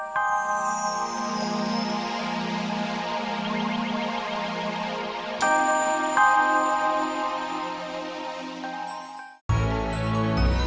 sampai jumpa lagi